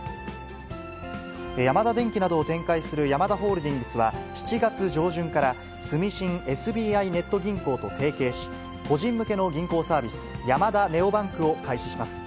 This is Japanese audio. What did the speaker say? ヤマダ電機などを展開するヤマダホールディングスは、７月上旬から住信ＳＢＩネット銀行と提携し、個人向けの銀行サービス、ヤマダネオバンクを開始します。